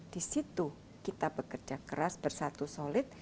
disitu kita bekerja keras bersatu solid